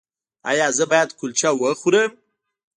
ایا زه باید کلچه وخورم؟